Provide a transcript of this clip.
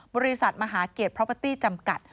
บริษัทมหาเกียรติเพราะเบอร์ตี้จำกัด